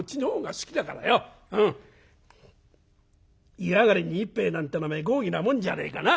湯上がりに一杯なんておめえ豪儀なもんじゃねえかなあ」。